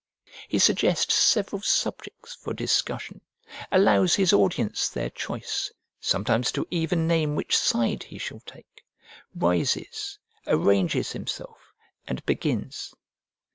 He suggests several subjects for discussion, allows his audience their choice, sometimes to even name which side he shall take, rises, arranges himself, and begins.